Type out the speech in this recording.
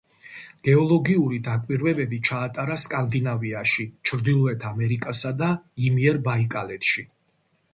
გეოლოგიური დაკვირვებები ჩაატარა სკანდინავიაში, ჩრდილოეთ ამერიკასა და იმიერბაიკალეთში.